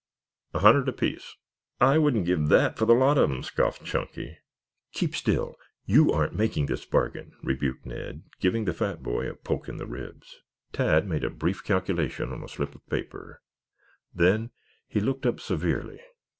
"A hundred apiece." "I wouldn't give that for the lot of them," scoffed Chunky. "Keep still. You aren't making this bargain," rebuked Ned, giving the fat boy a poke in the ribs. Tad made a brief calculation on a slip of paper, then he looked up severely.